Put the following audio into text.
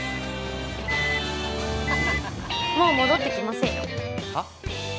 もう戻ってきませんよはっ？